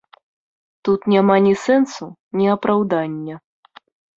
Тут няма ні сэнсу, ні апраўдання.